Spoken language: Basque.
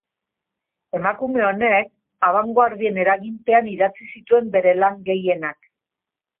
Emakume honek, abanguardien eraginpean idatzi zituen bere lan gehienak.